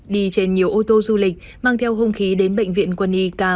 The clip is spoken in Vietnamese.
đi trên nhiều ô tô du lịch mang theo hùng khí đến bệnh viện quân y k một trăm hai mươi